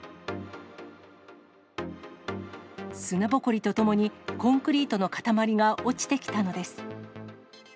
砂ぼこりとともに、コンクリートの塊が落ちてきたのです。